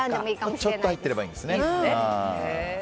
ちょっと入ってればいいんですね。